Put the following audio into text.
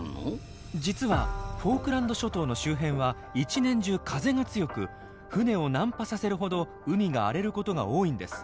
実はフォークランド諸島の周辺は一年中風が強く船を難破させるほど海が荒れることが多いんです。